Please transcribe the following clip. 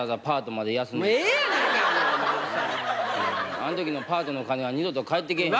あん時のパートのお金は二度と返ってけえへん。